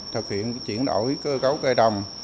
thực hiện chuyển đổi cơ cấu cây trầm